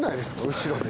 後ろで。